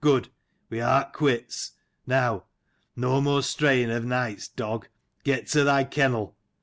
Good: we art quits. Now no more straying of nights, dog. Get to thy kennel."